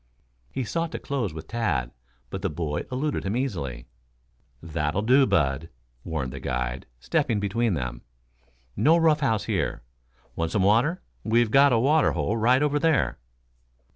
He sought to close with Tad, but the boy eluded him easily. "That'll do, Bud," warned the guide, stepping between them. "No rough house here. Want some water? We've got a water hole right over there."